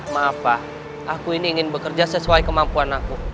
maaf pak aku ini ingin bekerja sesuai kemampuan aku